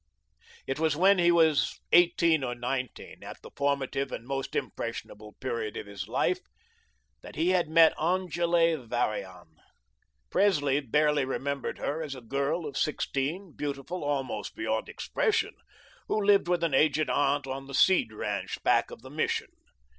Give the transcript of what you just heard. It was when he was eighteen or nineteen, at the formative and most impressionable period of his life, that he had met Angele Varian. Presley barely remembered her as a girl of sixteen, beautiful almost beyond expression, who lived with an aged aunt on the Seed ranch back of the Mission.